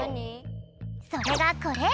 それがこれ！